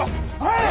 はい！